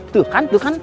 tuh kan tuh kan